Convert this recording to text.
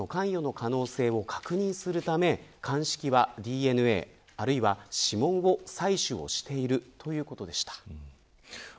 第三者の関与の可能性を確認するため鑑識は、ＤＮＡあるいは、指紋を採取しているということでした。